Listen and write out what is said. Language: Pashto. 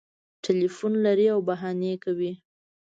ټلیفون لري او بهانې کوي